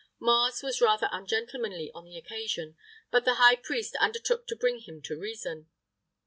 [III 22] Mars was rather ungentlemanly on the occasion, but the high priest undertook to bring him to reason.